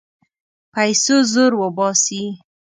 پیسو زور وباسي.